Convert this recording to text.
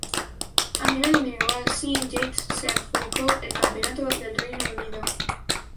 A nivel individual, Sean Yates se adjudicó el Campeonato del Reino Unido.